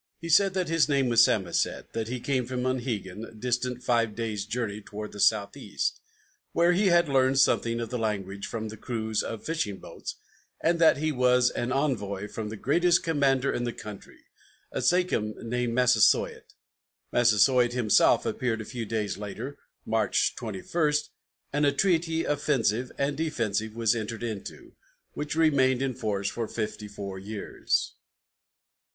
He said his name was Samoset, that he came from Monhegan, distant five days' journey toward the southeast, where he had learned something of the language from the crews of fishing boats, and that he was an envoy from "the greatest commander in the country," a sachem named Massasoit. Massasoit himself appeared a few days later (March 21), and a treaty offensive and defensive was entered into, which remained in force for fifty four years.